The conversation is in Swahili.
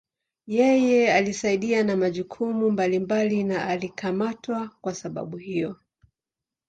Yeye alisaidia na majukumu mbalimbali na alikamatwa kuwa sababu hiyo.